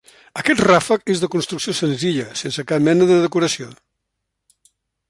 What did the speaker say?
Aquest ràfec és de construcció senzilla sense cap mena de decoració.